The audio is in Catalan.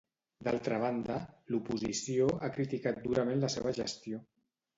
D'altra banda, l'oposició ha criticat durament la seva gestió.